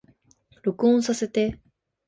録音させて